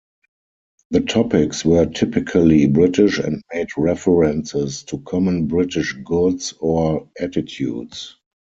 The topics were typically British and made references to common British goods or attitudes.